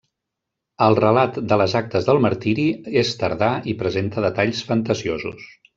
El relat de les actes del martiri és tardà i presenta detalls fantasiosos.